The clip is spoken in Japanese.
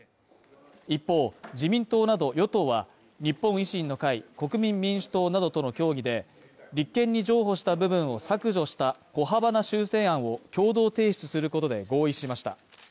一方、自民党など与党は、日本維新の会、国民民主党などとの協議で立憲に譲歩した部分を削除した小幅な修正案を共同提出することで合意しました。